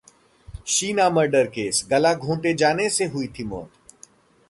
Sheena murder case: गला घोंटे जाने से हुई थी मौत